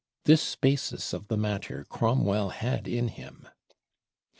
This basis of the matter Cromwell had in him.